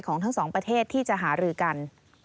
ทั้งสองประเทศที่จะหารือกัน